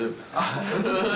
ハハハハハ！